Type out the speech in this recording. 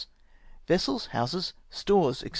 Vessels, houses, stores, &c.